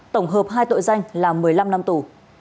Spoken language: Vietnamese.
tổng hợp hai tội danh là một mươi năm năm tù